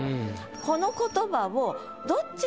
この言葉を。